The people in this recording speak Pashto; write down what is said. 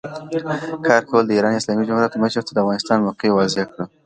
کارمل د ایران اسلامي جمهوریت مشر ته د افغانستان موقف واضح کړ.